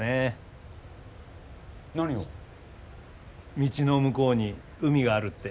道の向こうに海があるって。